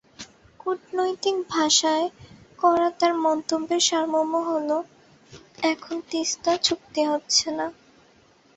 কূটনৈতিক ভাষায় করা তাঁর মন্তব্যের সারমর্ম হলো এখন তিস্তা চুক্তি হচ্ছে না।